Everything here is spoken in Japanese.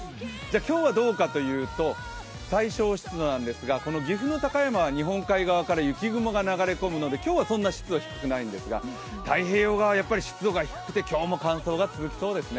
今日はどうかというと、最小湿度なんですがこの岐阜の高山は日本海側から吹くので今日はそんなに湿度は低くないんですが太平洋側は湿度が低くて今日も乾燥が続きそうですね。